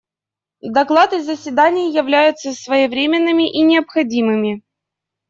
Доклад и заседание являются своевременными и необходимыми.